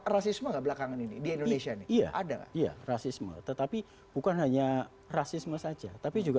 rasisme nggak belakangan ini di indonesia ini iya ada iya rasisme tetapi bukan hanya rasisme saja tapi juga